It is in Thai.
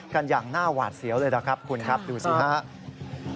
กันอย่างหน้าหวาดเสียวเลยนะครับคุณครับดูสิครับ